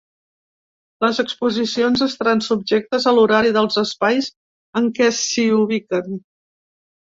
Les exposicions estaran subjectes a l’horari dels espais en què s’hi ubiquen.